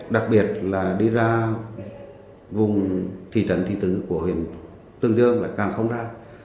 đặc biệt là đi ra vùng thị trấn thị tứ của huyện tương dương là càng không ra